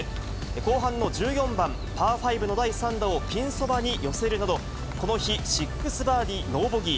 後半の１４番パー５の第３打をピンそばに寄せるなど、この日、６バーディーノーボギー。